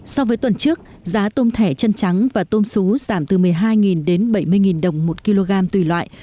so với tuần trước giá tôm thẻ chân trắng và tôm xú giảm từ một mươi hai đến bảy mươi đồng một kg tùy loại